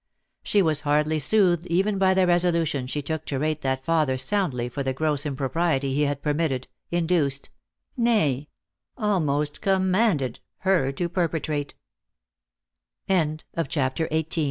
She was hardly soothed even by the re solution she took to rate that father soundly for the gross impropriety he had permitted, induced nay, almost commanded her